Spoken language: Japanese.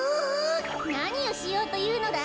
なにをしようというのだ！